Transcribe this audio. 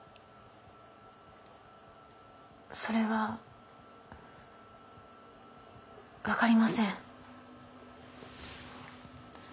それは分かりません。